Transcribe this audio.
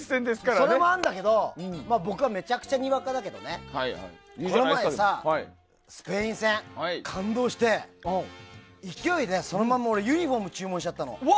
それもあるんだけど、僕はめちゃくちゃ、にわかだけどねこの前さ、スペイン戦感動して勢いで、俺そのままユニホーム注文しちゃったの。